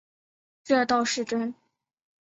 这倒是真